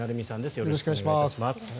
よろしくお願いします。